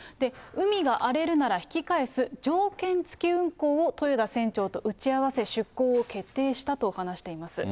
海が荒れるなら引き返す条件付き運航を豊田船長と打ち合わせ、出航を決定したと話しています。